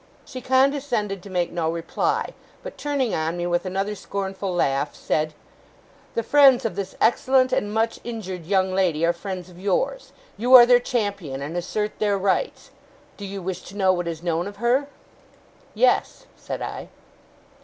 She condescended to make no reply, but, turning on me with another scornful laugh, said: 'The friends of this excellent and much injured young lady are friends of yours. You are their champion, and assert their rights. Do you wish to know what is known of her?' 'Yes,' said I.